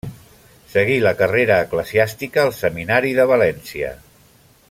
Seguí la carrera eclesiàstica al Seminari de València.